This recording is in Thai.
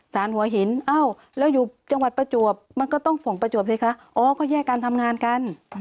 หัวหินเอ้าแล้วอยู่จังหวัดประจวบมันก็ต้องส่งประจวบสิคะอ๋อก็แยกกันทำงานกัน